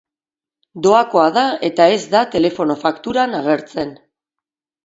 Doakoa da eta ez da telefono fakturan agertzen.